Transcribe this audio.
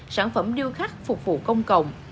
sản phẩm điêu khắc phục vụ công cộng